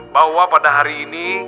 bahwa pada hari ini